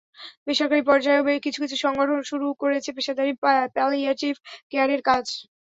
বেসরকারি পর্যায়েও কিছু কিছু সংগঠন শুরু করেছে পেশাদারি প্যালিয়াটিভ কেয়ারের কাজ।